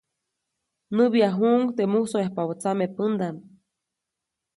Näbyajuʼuŋ teʼ musoyapabä tsamepändaʼm.